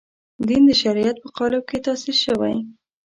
دین د شریعت په قالب کې تاسیس شوی.